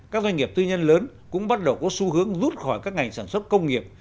các doanh nghiệp tư nhân lớn cũng bắt đầu có xu hướng rút khỏi các ngành sản xuất công nghiệp